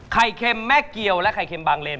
เค็มแม่เกียวและไข่เค็มบางเลน